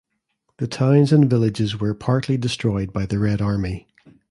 The towns and villages were partly destroyed by the Red Army.